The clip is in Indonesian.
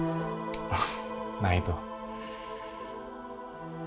treatment ngasih bunga